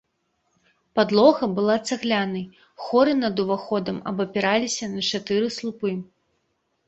Падлога была цаглянай, хоры над уваходам абапіраліся на чатыры слупы.